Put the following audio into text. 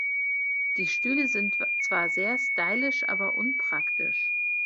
Die Stühle sind zwar sehr stylisch, aber unpraktisch.